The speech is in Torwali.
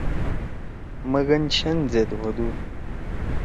مگن شین زید ہودُو۔